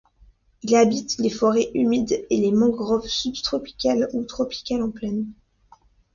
Il habite les forêts humides et les mangroves subtropicales ou tropicales en plaine.